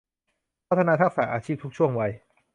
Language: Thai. พัฒนาทักษะอาชีพทุกช่วงวัย